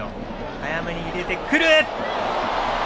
早めに入れてきた！